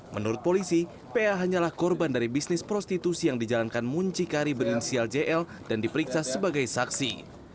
menurut polisi pa hanyalah korban dari bisnis prostitusi yang dijalankan muncikari berinisial jl dan diperiksa sebagai saksi